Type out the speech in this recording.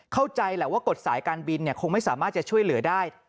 เข้าใจแหละว่ากฎสายการบินคงไม่สามารถจะช่วยเหลือได้